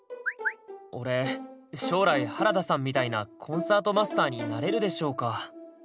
俺将来原田さんみたいなコンサートマスターになれるでしょうか？